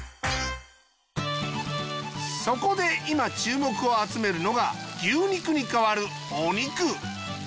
そこで今注目を集めるのが牛肉に代わるお肉。